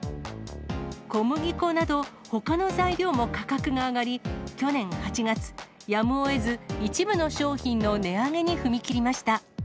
小麦粉など、ほかの材料も価格が上がり、去年８月、やむをえず、一部の商品の値上げに踏み切りました。